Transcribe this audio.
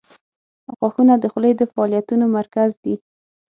• غاښونه د خولې د فعالیتونو مرکز دي.